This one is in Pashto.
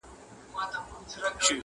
له نیکونو په مېږیانو کي سلطان وو!!